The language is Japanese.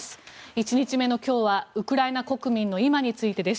１日目の今日はウクライナ国民の今についてです。